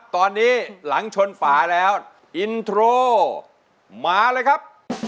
ตอนนี้หลังชนฝาแล้วอินโทรมาเลยครับ